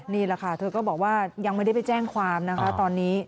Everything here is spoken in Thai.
นี่แหละค่ะเธอก็บอกว่ายังไม่ได้ไปแจ้งความนะคะตอนนี้